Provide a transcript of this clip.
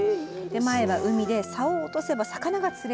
前は海で竿を落とせば魚が釣れる。